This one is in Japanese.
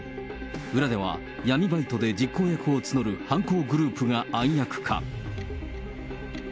裏では、闇バイトで実行役を募る犯行グループが暗躍か。